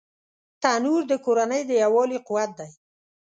تنور د کورنۍ د یووالي قوت دی